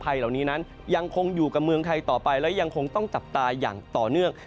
เหล่านี้นั้นยังคงอยู่กับเมืองไทยต่อไปและยังคงต้องจับตาอย่างต่อเนื่อง